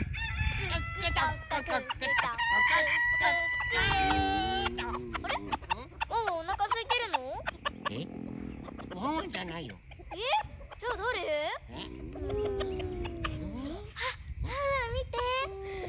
うん？あっワンワンみて！